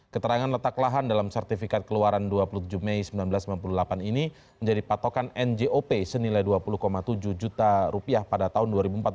keterangan letak lahan dalam sertifikat keluaran dua puluh tujuh mei seribu sembilan ratus sembilan puluh delapan ini menjadi patokan njop senilai dua puluh tujuh juta rupiah pada tahun dua ribu empat belas